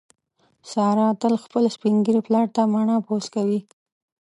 ساره تل خپل سپین ږیري پلار ته مڼه پوست کوي.